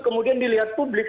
kemudian dilihat publik